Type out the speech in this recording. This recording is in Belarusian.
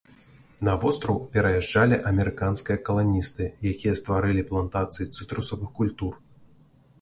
На востраў пераязджалі амерыканскія каланісты, якія стварылі плантацыі цытрусавых культур.